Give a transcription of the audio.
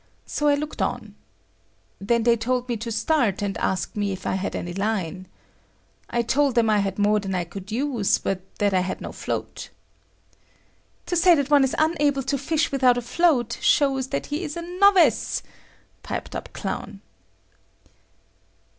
So I looked on. They then told me to start, and asked me if I had any line. I told them I had more than I could use, but that I had no float. "To say that one is unable to fish without a float shows that he is a novice," piped up Clown.